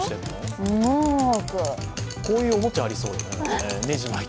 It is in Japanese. こういうおもちゃ、ありそう、ねじ巻いて。